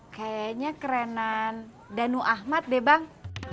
kayaknya kerenan danu ahmad deh bang